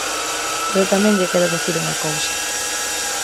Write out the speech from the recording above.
Pero tamén lle quero dicir unha cousa.